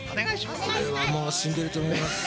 俺はもう死んでると思います。